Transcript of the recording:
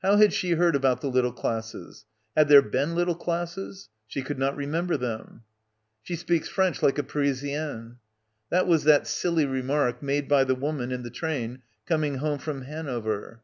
How had she heard about the little classes? Had there been little classes? She could not remember them. "She speaks French like a Parisienne." That was that silly remark made by the woman in the train coming home from Hanover.